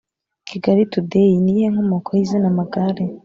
Kigali Today: Ni iyihe nkomoko y’izina Magare?